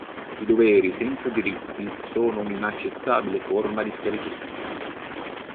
I doveri senza i diritti sono un'inaccettabile forma di schiavitù.